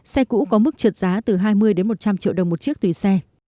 xe cũ có mức trượt giá từ hai mươi đến một trăm linh triệu đồng một chiếc tùy xe